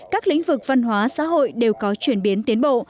các lĩnh vực văn hóa xã hội đều có chuyển biến tiến bộ